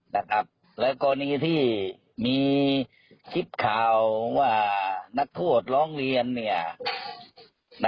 และกรณีที่มีคลิปข่าวว่านักโทษร้องเรียน